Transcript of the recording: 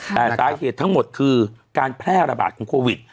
แต่สาเหตุทั้งหมดคือการแพร่ระบาดของโควิด